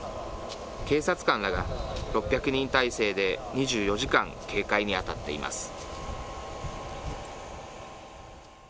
警察官らが６００人態勢で２４時間警戒に当たっています。